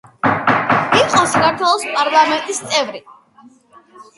იყო საქართველოს პარლამენტის წევრი.